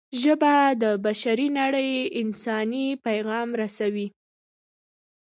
ژبه د بشري نړۍ انساني پیغام رسوي